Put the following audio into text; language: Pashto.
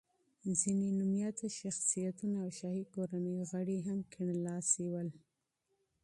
ځینې مشهوره شخصیتونه او شاهي کورنۍ غړي هم کیڼ لاسي ول.